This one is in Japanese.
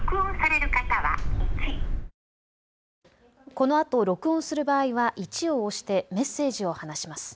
このあと録音する場合は１を押してメッセージを話します。